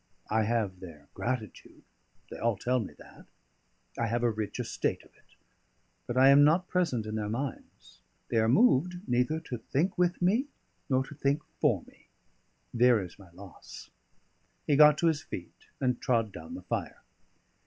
I have their gratitude, they all tell me that; I have a rich estate of it! But I am not present in their minds; they are moved neither to think with me nor to think for me. There is my loss!" He got to his feet, and trod down the fire.